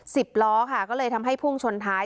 สิบล้อค่ะก็เลยทำให้พุ่งชนท้าย